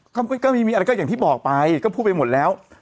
ก็มีอะไรก็อย่างที่บอกไปก็พูดไปหมดแล้ว